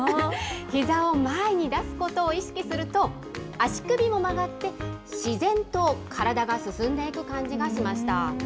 ひざを前に出すことを意識すると、足首も曲がって、自然と体が進んでいく感じがしました。